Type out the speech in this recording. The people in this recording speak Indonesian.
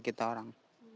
ya kita orang